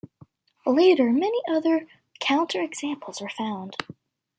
Later many other counterexamples were found.